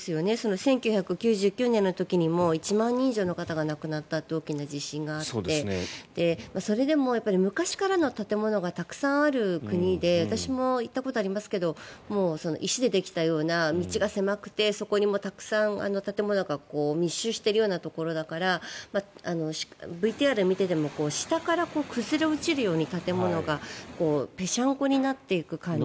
１９９９年の時にも１万人以上の方が亡くなったという大きな地震があって、それでも昔からの建物がたくさんある国で私も行ったことありますけど石でできたような、道が狭くてそこにもたくさん建物が密集しているようなところだからＶＴＲを見ていても下から崩れ落ちるように建物がぺしゃんこになっていく感じ。